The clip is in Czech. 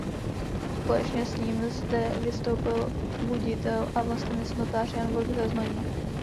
Společně s ním zde vystoupil buditel a vlastenec notář Jan Vlk ze Znojma.